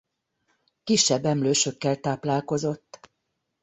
Kisebb emlősökkel táplálkozott.